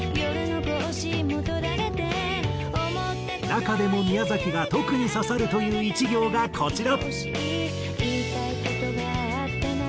中でも宮崎が特に刺さるという１行がこちら。